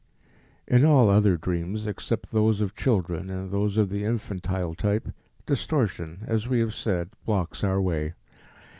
In all other dreams except those of children and those of the infantile type, distortion, as we have said, blocks our way.